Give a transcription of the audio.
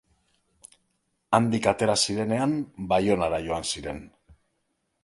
Handik atera zirenean Baionara joan ziren.